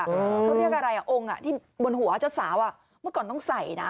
เขาเรียกอะไรอ่ะองค์ที่บนหัวเจ้าสาวเมื่อก่อนต้องใส่นะ